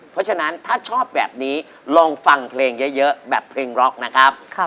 เพราะฉะนั้นถ้าชอบแบบนี้ลองฟังเพลงเยอะแบบเพลงร็อกนะครับ